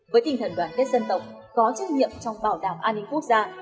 với tinh thần đoàn kết dân tộc có trách nhiệm trong bảo đảm an ninh quốc gia